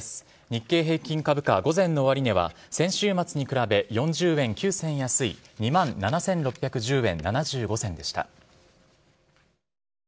日経平均株価、午前の終値は、先週末に比べ、４０円９銭安い、２万７６１０円７５銭でした。